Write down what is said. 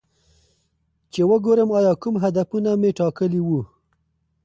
چې وګورم ایا کوم هدفونه مې ټاکلي وو